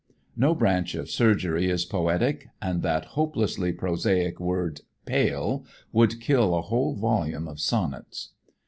No branch of surgery is poetic, and that hopelessly prosaic word "pail" would kill a whole volume of sonnets.